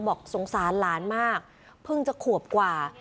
บอกสงสารหลานมากเพิ่งจะขวบกว่า